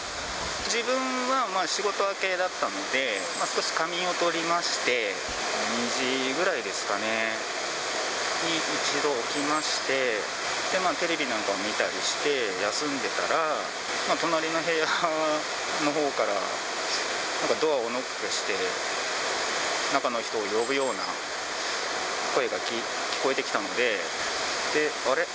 自分は仕事明けだったので、少し仮眠をとりまして、２時くらいですかね、に一度起きまして、テレビなんかを見たりして、休んでたら、隣の部屋のほうからなんかドアをノックして、中の人を呼ぶような声が聞こえてきたので、で、あれ？